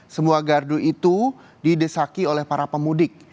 semua gardu itu didesaki oleh para pemudik